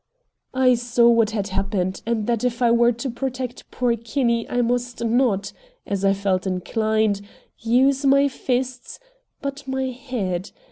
I saw what had happened, and that if I were to protect poor Kinney I must not, as I felt inclined, use my fists, but my head.